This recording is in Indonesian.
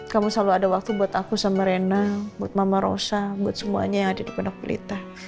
kamu selalu ada waktu buat aku sama rena buat mama rosa buat semuanya yang ada di pondok pelita